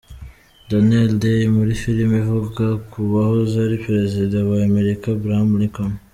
Daniel Day muri filime ivuga ku wahoze ari perezida wa Amerika Abraham Lincoln.